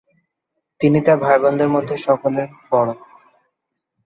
তিনি তার ভাইবোনদের মধ্যে সকলের বড়ো।